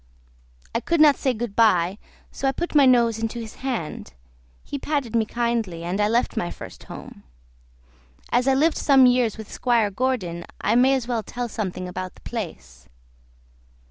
I could not say "good by", so I put my nose into his hand; he patted me kindly, and I left my first home. As I lived some years with Squire Gordon, I may as well tell something about the place.